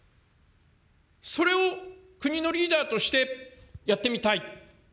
それを国のリーダーとしてやってみたい。